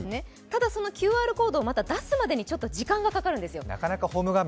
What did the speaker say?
ただ、そのＱＲコードを出すまでに時間がかかるんですよ。